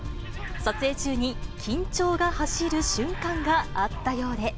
撮影中に、緊張が走る瞬間があったようで。